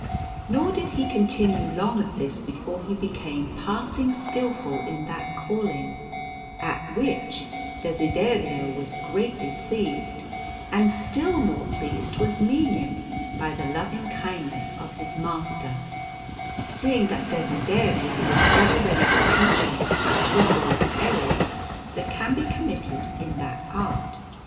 Nor did he continue long at this before he became passing skilful in that calling; at which Desiderio was greatly pleased, and still more pleased was Mino by the loving kindness of his master, seeing that Desiderio was ever ready to teach him how to avoid the errors that can be committed in that art.